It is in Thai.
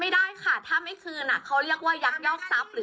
ไม่ใช่มัดจำว่าไม่คืนคำนึงราคาอยู่แล้ว